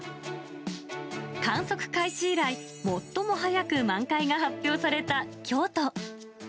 観測開始以来、最も早く満開が発表された京都。